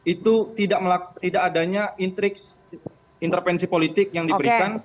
itu tidak adanya intriks intervensi politik yang diberikan